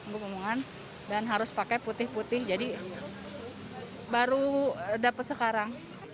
gue ngomongan dan harus pakai putih putih jadi baru dapat sekarang